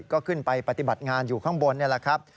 ก็ขึ้นไปปฏิบัติงานอยู่ข้างบนนี่แหละครับ